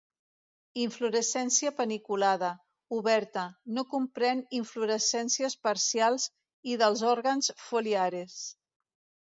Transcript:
Inflorescència paniculada; oberta; no comprèn inflorescències parcials i dels òrgans foliares.